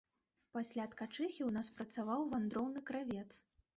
Пасля ткачыхі ў нас працаваў вандроўны кравец.